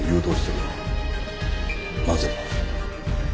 なぜだ？